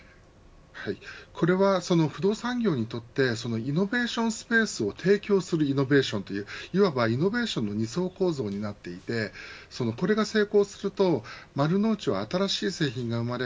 これは不動産業にとってイノベーションスペースを提供するイノベーションといういわばイノベーションの２層構造になっていてこれが成功すると丸の内は新しい製品が生まれ